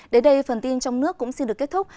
đến đây phần tin trong nước cũng xin được kết thúc